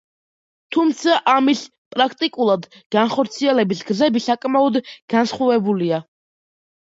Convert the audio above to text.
თუმცა, ამის პრაქტიკულად განხორციელების გზები საკმაოდ განსხვავებულია.